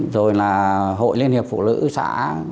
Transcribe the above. rồi là hội liên hiệp phụ lữ xã